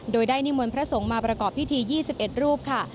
โดยได้นิมนต์พระสงฆ์มาประกอบพิธี๒๑รูปค่ะ